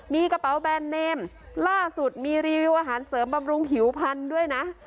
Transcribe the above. มีกระเป๋าแบรนดเนมล่าสุดมีรีวิวอาหารเสริมบำรุงผิวพันธุ์ด้วยนะ